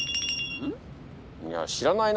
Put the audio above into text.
いや知らないな。